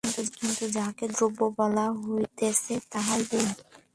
কিন্তু যাহাকে দ্রব্য বলা হইতেছে, তাহাই গুণ।